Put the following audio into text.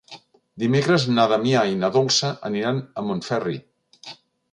Dimecres na Damià i na Dolça aniran a Montferri.